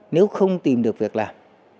nếu không tìm được việc làm